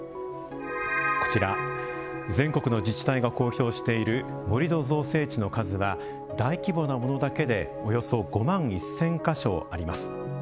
こちら、全国の自治体が公表している盛土造成地の数は大規模なものだけでおよそ５万１０００か所あります。